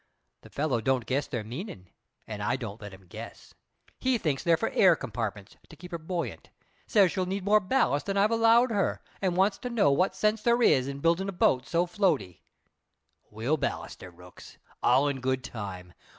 The fellow don't guess their meanin', an' I don't let him guess. He thinks they're for air compartments, to keep her buoyant; says she'll need more ballast than I've allowed her, and wants to know what sense there is in buildin' a boat so floatey. We'll ballast her, Brooks; all in good time.